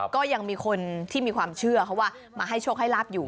ก็ยังมีคนที่มีความเชื่อเขาว่ามาให้โชคให้ลาบอยู่